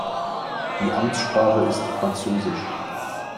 Die Amtssprache ist Französisch.